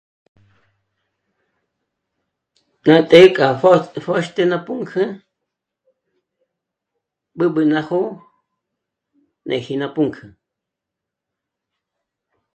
K'a të́'ë k'a pjö̀xt'ü ná pǔnk'ü b'ǚb'ü ná jó'o néji ná pǔnk'ü